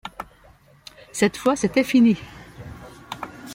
Cette fois c’était fini.